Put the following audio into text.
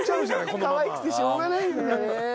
かわいくてしょうがないんだね。